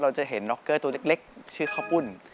เราจะเห็นน็อกเกอร์ตัวเล็กชื่อข้าวปุ้น